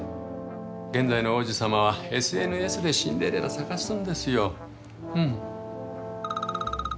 現代の王子様はＳＮＳでシンデレラ捜すんですよ。